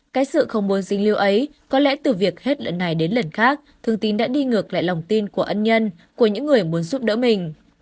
cái sự không muốn dính lưu ấy có lẽ từ việc hết lần này đến lần khác thương tín đã đi ngược lại lòng tin của ân nhân của những người muốn giúp đỡ mình